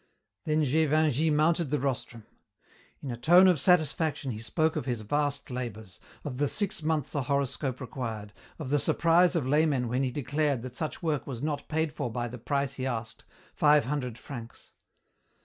Then Gévingey mounted the rostrum. In a tone of satisfaction he spoke of his vast labours, of the six months a horoscope required, of the surprise of laymen when he declared that such work was not paid for by the price he asked, five hundred francs.